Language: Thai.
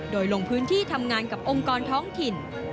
โดยลงพื้นที่ทำงานกับองค์กรท้องถิ่น